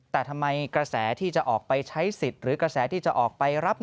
แต่ทำไมกระแสที่จะออกไปใช้สิทธิ์หรือกระแสที่จะออกไปรับ